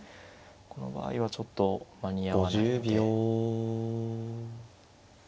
この場合はちょっと間に合わないので。